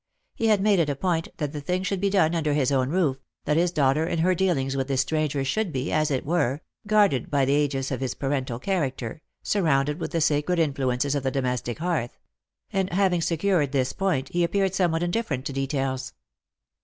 He had made it a point that the thing should be done under his own roof — that his daughter in her dealings with this stranger should be, as it were, guarded by the asgis of his parental character, surrounded with the sacred influences of the domestic hearth ; and having secured this point, he appeared somewhat indifferent to details.